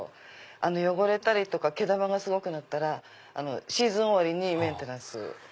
汚れたりとか毛玉がすごくなったらシーズン終わりにメンテナンス。